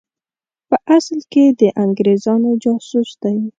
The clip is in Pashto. په اصل کې د انګرېزانو جاسوس دی.